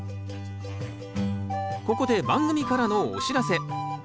ここで番組からのお知らせ。